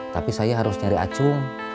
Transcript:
tapi saya harus nyari acung